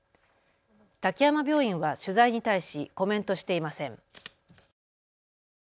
滝山病院は取材に対しコメントしていません。